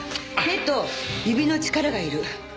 手と指の力がいる。